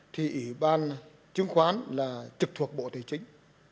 thì ủy ban chứng khoán là trực thuộc bộ tài chính